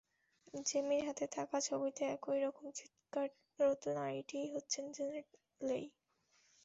জেমির হাতে থাকা ছবিতে একই রকম চিৎকাররত নারীটিই হচ্ছেন জেনেট লেই।